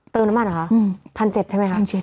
เติมน้ำมันหรือคะ๑๗๐๐ใช่ไหมฮะ